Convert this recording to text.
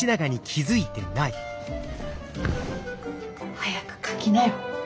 早く書きなよ